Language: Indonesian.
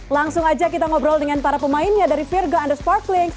langsung aja kita ngobrol dengan para pemainnya dari virgo and the sparklings